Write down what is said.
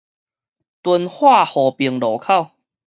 敦化和平路口